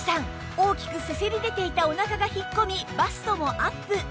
大きくせせり出ていたおなかが引っ込みバストもアップ！